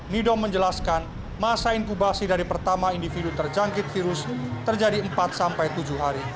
nidom menjelaskan masa inkubasi dari pertama individu terjangkit virus terjadi empat sampai tujuh hari